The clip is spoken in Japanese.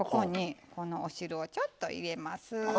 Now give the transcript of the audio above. お汁をちょっと入れます。